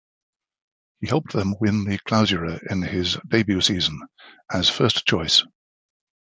He helped them win the Clausura in his debut season, as first-choice.